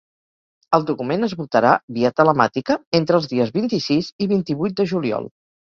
El document es votarà, via telemàtica, entre els dies vint-i-sis i vint-i-vuit de juliol.